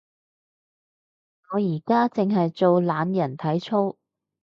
我而家淨係做懶人體操